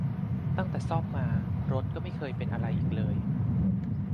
ตั้งแต่ที่ซ่อมมา รถก็ไม่เคยเป็นอะไรอีกเลย